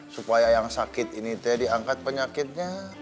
supaya yang sakit ini teh diangkat penyakitnya